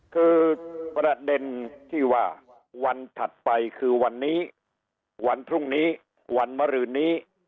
คือประเด็นที่ว่าวันถัดไปคือวันนี้วันพรุ่งนี้วันมรืนนี้